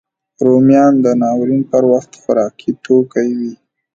رومیان د ناورین پر وخت خوارکي توکی وي